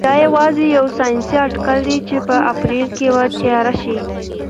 دا یوازې یو ساینسي اټکل دی چې په اپریل کې به تیره شي.